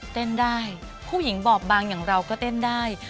เต้นได้ผู้หญิงบอบบางอย่างเราก็เต้นได้